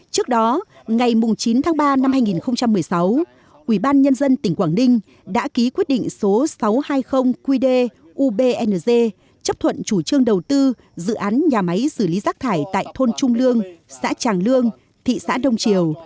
trước đó ngày chín tháng ba năm hai nghìn một mươi sáu ubnd tỉnh quảng ninh đã ký quyết định số sáu trăm hai mươi qd ubnz chấp thuận chủ trương đầu tư dự án nhà máy xử lý rác thải tại thôn trung lương xã tràng lương thị xã đông triều